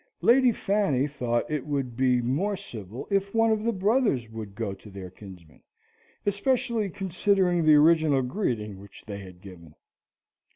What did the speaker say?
Lady Fanny thought it would be more civil if one of the brothers would go to their kinsman, especially considering the original greeting which they had given.